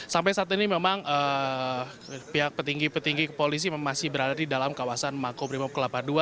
sampai saat ini memang pihak petinggi petinggi kepolisi masih berada di dalam kawasan makobrimob ke delapan puluh dua